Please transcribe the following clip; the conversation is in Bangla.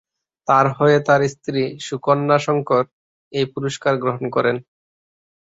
তার হয়ে তার স্ত্রী সুকন্যা শংকর এই পুরস্কার গ্রহণ করেন।